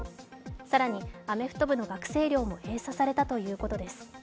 更にアメフト部の学生寮も閉鎖されたということです。